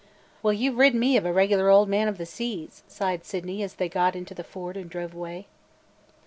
"Well, you 've rid me of a regular old man of the seas!" sighed Sydney as they got into the Ford and drove away.